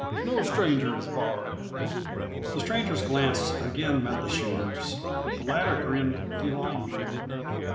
No stranger is barred!" The stranger's glance again met the shooter's. The latter grinned felinely.